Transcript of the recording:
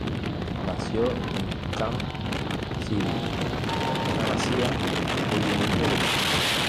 Nació en Can Sibiu, una masía muy humilde de Vich.